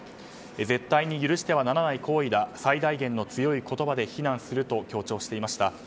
絶対に許してはならない行為だ最大限の強い言葉で非難すると強調していました。